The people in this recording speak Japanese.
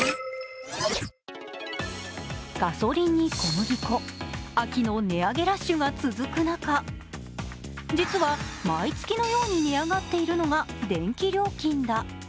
ガソリンに小麦粉、秋の値上げラッシュが続く中実は毎月のように値上がっているのが電気料金だ。